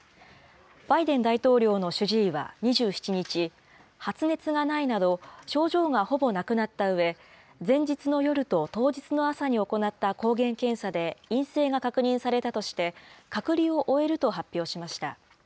バイデン大統領の主治医は２７日、発熱がないなど、症状がほぼなくなったうえ、前日の夜と当日の朝に行った抗原検査で陰性が確認されたとして、隔離を終えると発表しました。